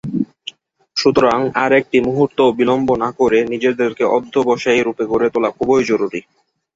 সুতরাং আর একটি মুহূর্তও বিলম্ব না করে নিজেদেরকে অধ্যবসায়ী রূপে গড়ে তোলা খুবই জরুরি।